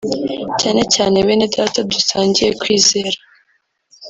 cyane cyane benedata dusangiye kwizera